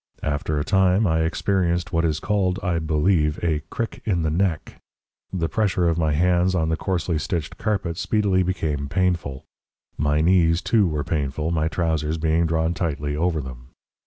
After a time, I experienced what is called, I believe, a crick in the neck. The pressure of my hands on the coarsely stitched carpet speedily became painful. My knees, too, were painful, my trousers being drawn tightly over them.